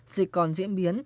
dịch còn diễn biến